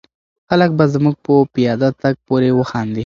خلک به زموږ په پیاده تګ پورې وخاندي.